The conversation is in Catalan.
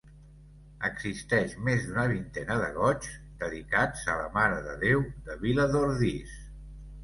Existeix més d'una vintena de goigs dedicats a la Mare de Déu de Viladordis.